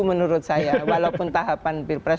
menurut saya walaupun tahapan pilpres